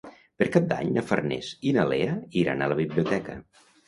Per Cap d'Any na Farners i na Lea iran a la biblioteca.